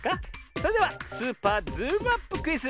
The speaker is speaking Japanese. それでは「スーパーズームアップクイズ」